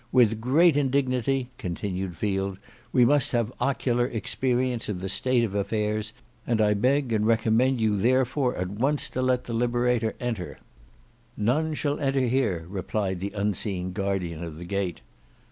"With great indignity," continued Field, "we must have ocular experience of the state of affairs, and I beg and recommend you therefore at once to let the Liberator enter." "None shall enter here," replied the unseen guardian of the gate.